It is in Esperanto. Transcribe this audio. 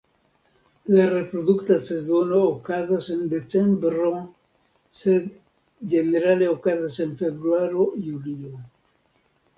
La reprodukta sezono okazas el decembro, sed ĝenerale okazas en februaro-julio.